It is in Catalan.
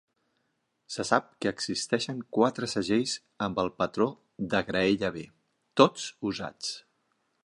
Se sap que existeixen quatre segells amb el patró de "graella B", tots usats.